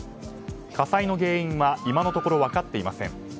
火災の原因は今のところ分かっていません。